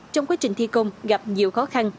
trong quá trình thi công gặp nhiều khó khăn